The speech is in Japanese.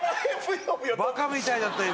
バカみたいだったよ